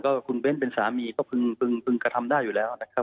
คุณเบ้นเป็นสามีก็พึงกระทำได้อยู่แล้วนะครับ